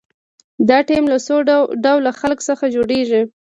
دا ټیم له څو ډوله خلکو څخه جوړیږي.